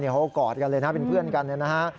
โอ้โฮกอดกันเลยนะเป็นเพื่อนกันนะครับ